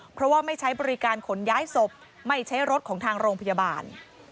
เพราะว่าไม่ใช้บริการขนย้ายศพไม่ใช้รถของทางโรงพยาบาล